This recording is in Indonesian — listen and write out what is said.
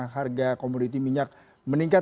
harga komoditi minyak meningkat